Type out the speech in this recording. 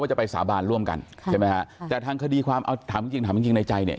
ว่าจะไปสาบานร่วมกันใช่ไหมฮะแต่ทางคดีความถามจริงในใจเนี่ย